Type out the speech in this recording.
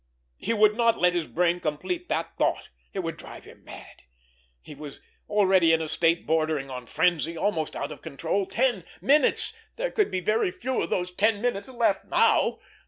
He would not let his brain complete that thought. It would drive him mad. He was already in a state bordering on frenzy, almost out of self control. Ten minutes! There could be very few of those ten minutes left now!